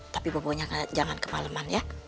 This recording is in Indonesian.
tapi pokoknya jangan kemaleman ya